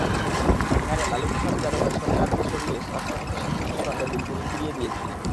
বিহারে লালুপ্রসাদ যাদবের সরকারকে সরিয়ে রাষ্ট্রপতি শাসন-সংক্রান্ত বিল তিনি ফিরিয়ে দিয়েছিলেন।